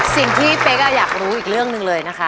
สิ่งที่เป๊กอะอยากรู้อีกเรื่องหนึ่งเลยนะคะ